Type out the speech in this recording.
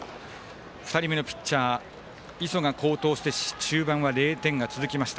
２人目のピッチャー磯が好投して中盤は０点が続きました。